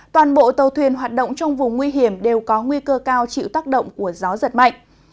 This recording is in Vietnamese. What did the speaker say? toàn bộ tàu thuyền hoạt động trong vùng nguy hiểm đều có nguy cơ cao chịu tác động của gió giật mạnh